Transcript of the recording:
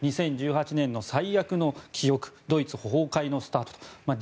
２０１８年の最悪の記憶ドイツ崩壊のスタートと。